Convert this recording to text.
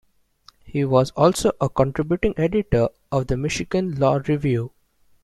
He was also a contributing editor of the "Michigan Law Review".